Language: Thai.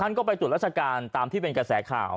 ท่านก็ไปจุดราชการตามที่เป็นกระแสข่าว